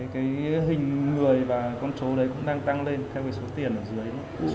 cái hình người và con số đấy cũng đang tăng lên theo cái số tiền ở dưới